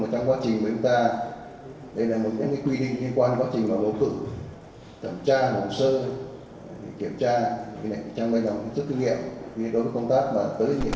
chủ nhiệm văn phòng chủ nhiệm văn phòng quốc hội nhấn mạnh